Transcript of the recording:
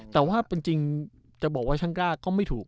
แต่ว่าเป็นจริงจะบอกว่าช่างกล้าก็ไม่ถูก